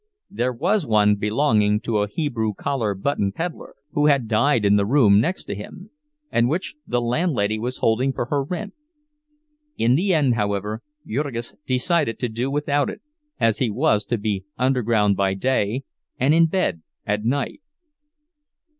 There was one belonging to a Hebrew collar button peddler, who had died in the room next to him, and which the landlady was holding for her rent; in the end, however, Jurgis decided to do without it, as he was to be underground by day and in bed at night.